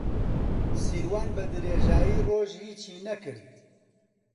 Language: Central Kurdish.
سیروان بەدرێژایی ڕۆژ هیچی نەکرد.